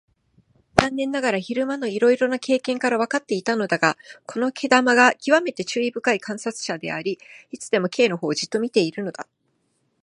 残念ながら昼間のいろいろな経験からわかっていたのだが、この糸玉がきわめて注意深い観察者であり、いつでも Ｋ のほうをじっと見ているのだ。